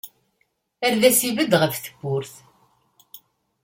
Ar d as-ibedd ɣef tewwurt.